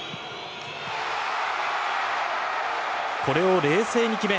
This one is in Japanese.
これを冷静に決め